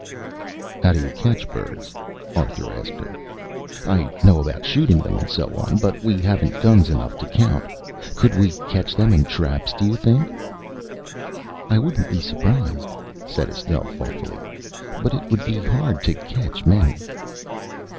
"How do you catch birds?" Arthur asked her. "I know about shooting them, and so on, but we haven't guns enough to count. Could we catch them in traps, do you think?" "I wouldn't be surprised," said Estelle thoughtfully. "But it would be hard to catch many."